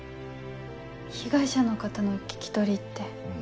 被害者の方の聞き取りって。